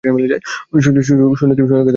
শুনে কি ওনাকে সুস্থ মনে হল?